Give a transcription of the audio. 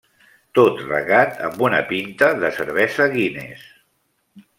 Tot regat amb una pinta de cervesa Guinness.